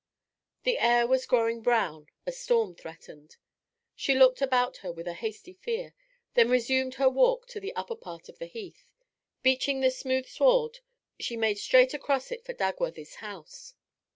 The air was growing brown; a storm threatened. She looked about her with a hasty fear, then resumed her walk to the upper part of the Heath. Beaching the smooth sward, she made straight across it for Dagworthy's house.